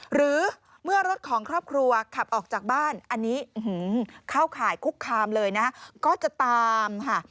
หรือเมื่อรถของครอบครัวขับออกจากบ้านอันนี้เข้าข่ายคุกคามเลยนะก็จะตามค่ะ